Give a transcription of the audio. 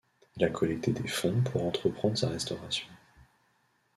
Il a collecté des fonds pour entreprendre sa restauration.